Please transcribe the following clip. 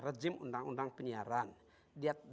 rejim undang undang penyiaran dia